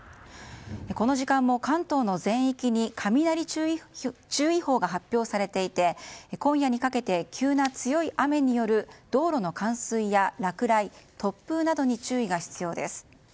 この時間も関東の全域に雷注意報が発表されていて今夜にかけて急な強い雨による道路の冠水や落雷突風などに注意が必要です。